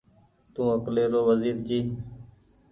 تو اڪلي رو وزير جي